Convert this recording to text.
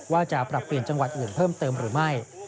ว่าจะปรับเปลี่ยนจังหวัดอื่นเพิ่มเติมหรือไม่